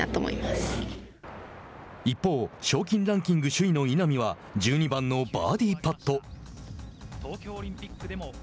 一方、賞金ランキング首位の稲見は１２番のバーディーパット。